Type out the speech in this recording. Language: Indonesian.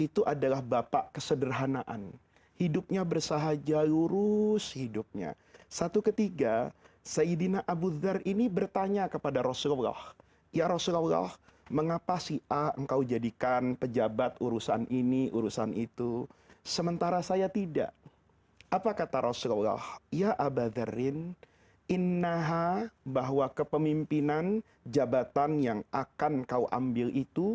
tidak bisa tidur